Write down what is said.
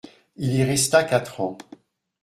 Il y resta quatre ans.